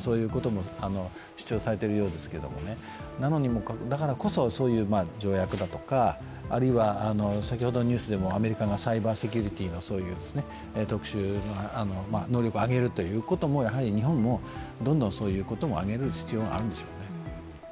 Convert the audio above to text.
そういうことも主張されているようですけど、だからこそ、そういう条約だとか、あるいは先ほどのニュースでもアメリカがサイバーセキュリティの特殊能力を上げるということですが、どんどんそういうことも上げる必要があるんでしょうね。